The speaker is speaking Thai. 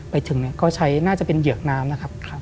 ไปถึงก็ใช้น่าจะเป็นเหยือกน้ำนะครับ